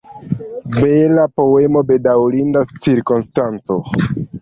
Bela poemo, bedaŭrinda cirkonstanco.